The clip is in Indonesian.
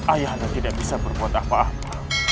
ayah anda tidak bisa berbuat apa apa